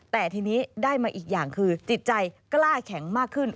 แต่ทีนี้ได้มาอีกอย่างคือจิตใจกล้าแข็งมากขึ้น